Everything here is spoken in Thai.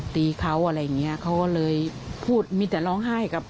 ตีเขาอะไรอย่างเงี้ยเขาก็เลยพูดมีแต่ร้องไห้กับ